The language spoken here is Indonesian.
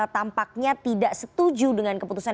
tampaknya tidak setuju dengan keputusan